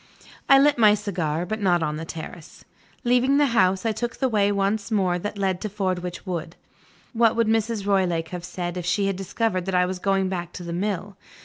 I lit my cigar, but not on the terrace. Leaving the house, I took the way once more that led to Fordwitch Wood. What would Mrs. Roylake have said, if she had discovered that I was going back to the mill?